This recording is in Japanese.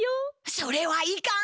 それはいかん！